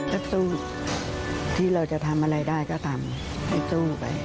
นักสู้ที่เราจะทำอะไรได้ก็ทำให้สู้ไป